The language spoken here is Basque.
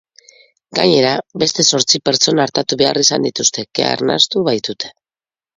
Gainera, beste zortzi pertsona artatu behar izan dituzte, kea arnastu baitute.